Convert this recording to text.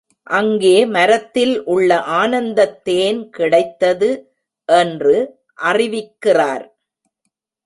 அங்கே மரத்தில் உள்ள ஆனந்தத் தேன் கிடைத்தது என்று அறிவிக்கிறார்.